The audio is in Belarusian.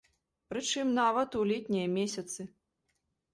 Прычым нават у летнія месяцы.